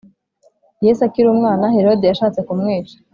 Yesu akiri umwana herode yashatse kumwica